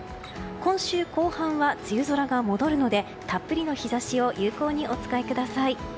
今週後半は梅雨空が戻るのでたっぷりの日差しを有効にお使いください。